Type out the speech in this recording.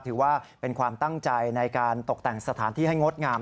ถือว่าเป็นความตั้งใจในการตกแต่งสถานที่ให้งดงาม